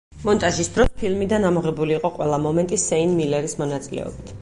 მონტაჟის დროს ფილმიდან ამოღებული იყო ყველა მომენტი სეინ მილერის მონაწილეობით.